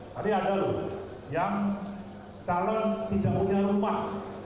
tadi ada loh yang calon tidak punya rumah